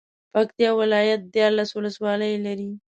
پکتيا ولايت ديارلس ولسوالۍ لري.